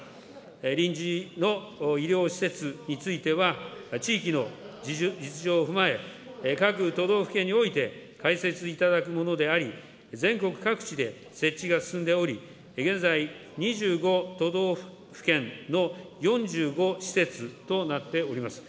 臨時の医療施設については、地域の実情を踏まえ、各都道府県において、開設いただくものであり、全国各地で設置が進んでおり、現在、２５都道府県の４５施設となっております。